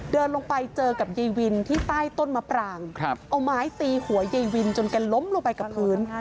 เดินลงไปเจอกับยายวินที่ใต้ต้นมะปรางเอาไม้ตีหัวยายวินจนแกล้มลงไปกับพื้น